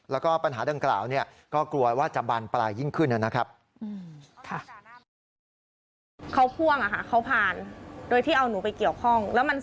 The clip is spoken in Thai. แล้วก็ปัญหาดังกล่าวเนี่ยก็กลัวว่าจะบานปลายยิ่งขึ้นนะครับ